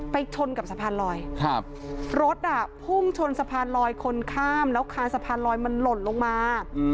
ชนกับสะพานลอยรถพุ่งชนสะพานลอยคนข้ามแล้วคานสะพานลอยมันหล่นลงมา